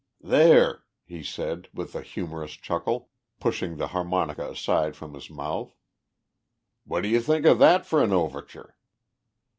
"There!" he said, with a humorous chuckle, pushing the harmonica aside from his mouth, "what do you think of that for an overture?"